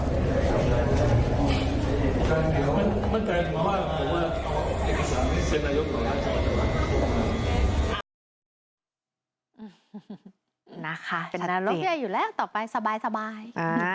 ไม่เกินมันเกินมาบ้างผมว่าเป็นนายกหรอกนะสบายสบาย